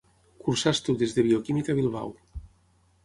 Cursà estudis de Bioquímica a Bilbao.